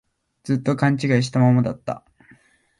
ずっと勘違いしたままだった